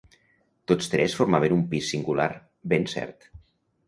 Tots tres formàvem un pis singular, ben cert.